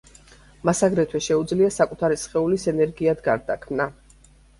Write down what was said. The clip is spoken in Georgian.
მას აგრეთვე შეუძლია საკუთარი სხეულის ენერგიად გარდაქმნა.